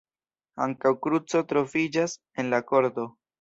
Ankaŭ kruco troviĝas en la korto.